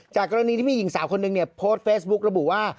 กรณีที่มีหญิงสาวคนหนึ่งเนี่ยโพสต์เฟซบุ๊กระบุว่า